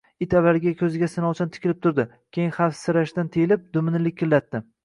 It avvaliga ko‘zimga sinovchan tikilib turdi, keyin xavfsirashdan tiyilib, dumini likillatdi